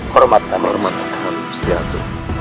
hormatkan hormatkan agustin ratu